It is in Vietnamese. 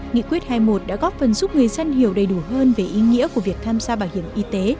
nghị quyết hai mươi một đã góp phần giúp người dân hiểu đầy đủ hơn về ý nghĩa của việc tham gia bảo hiểm y tế